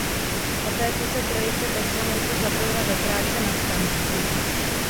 Poté se trojice kosmonautů zapojila do práce na stanici.